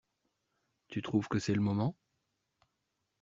Tu trouves que c’est le moment?